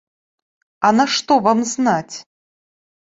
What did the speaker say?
А нашто вам знаць?